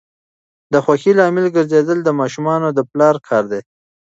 د خوښۍ لامل ګرځیدل د ماشومانو د پلار کار دی.